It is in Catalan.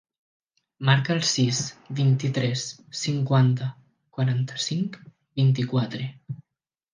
Marca el sis, vint-i-tres, cinquanta, quaranta-cinc, vint-i-quatre.